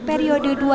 periode di jawa barat